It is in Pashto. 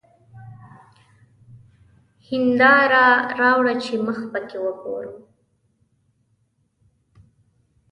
هېنداره راوړه چي مخ پکښې وګورم!